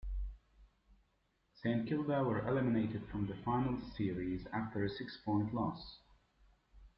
Saint Kilda were eliminated from the finals series after a six-point loss.